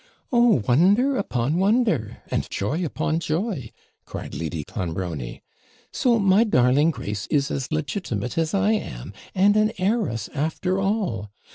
'Oh, wonder upon wonder! and joy upon joy!' cried Lady Clonbrony. 'So my darling Grace is as legitimate as I am, and an heiress after all.